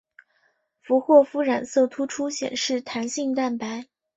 佛霍夫染色突出显示弹性蛋白。